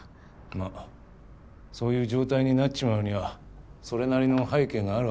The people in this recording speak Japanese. まあそういう状態になっちまうにはそれなりの背景があるわな。